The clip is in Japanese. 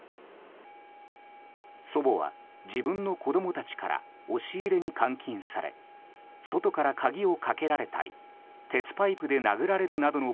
祖母は、自分の子供たちから押し入れに監禁され外から鍵をかけられたり鉄パイプで殴られるなどの